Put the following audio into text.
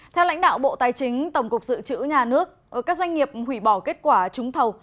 theo lãnh đạo bộ tài chính tổng cục dự trữ nhà nước các doanh nghiệp hủy bỏ kết quả trúng thầu